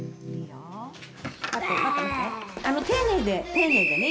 丁寧でね。